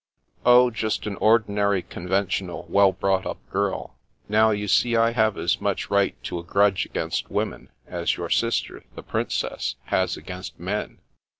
"Oh, just an ordinary, conventional, well brought up girl. Now you see I have as much right to a grudge against women, as your sister the Prin cess has against men."